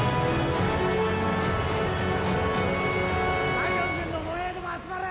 ・第四軍の歩兵ども集まれ！